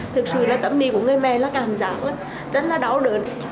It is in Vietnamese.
thực sự là tâm lý của người mẹ là cảm giác rất là đau đớn